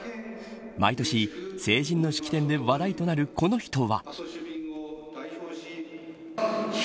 毎年、成人の式典で話題となるこの人は。